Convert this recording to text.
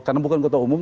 karena bukan kota umum